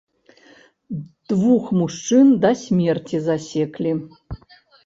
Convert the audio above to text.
Двух мужчын да смерці засеклі.